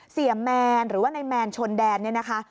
เสียแมนหรือว่าในแมนชนแดนนะคะ